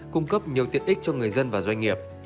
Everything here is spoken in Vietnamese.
cung cấp nhiều tiện ích cho người dân và doanh nghiệp